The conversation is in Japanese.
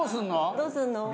どうすんの？